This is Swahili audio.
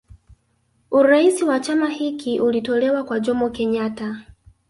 Urais wa chama hiki ulitolewa kwa Jomo Kenyatta